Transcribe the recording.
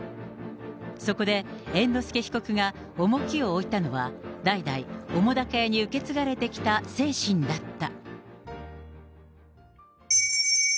そこで、猿之助被告が重きを置いたのは、代々、澤瀉屋に受け継がれてきた精神だった。